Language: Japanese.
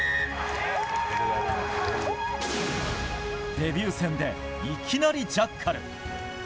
デビュー戦でいきなりジャッカル。